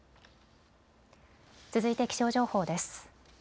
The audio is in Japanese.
続いて気象情報です。